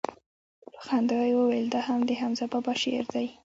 په خندا يې وويل دا هم دحمزه بابا شعر دىه.